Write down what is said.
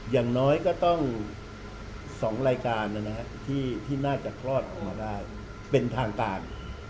อย่างน้อยก็ต้อง๒รายการที่น่าจะคลอดออกมาได้เป็นทางการ